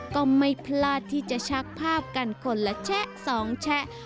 ก็ไม่พลาดที่จะชักภาพกันคนละแชะ๒แชะ